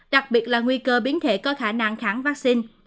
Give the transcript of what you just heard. đặc biệt là nguy cơ biến thể có khả năng kháng vaccine